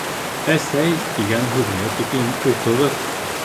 «Әсәй» тигән һүҙгә тиклем уҡығыҙ